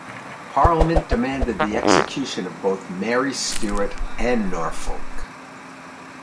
Parliament demanded the execution of both Mary Stuart and Norfolk.